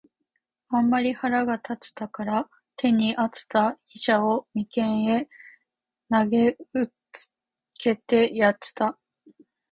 あんまり腹が立つたから、手に在つた飛車を眉間へ擲きつけてやつた。